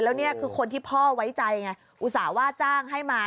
แล้วนี่คือคนที่พ่อไว้ใจไงอุตส่าห์ว่าจ้างให้มา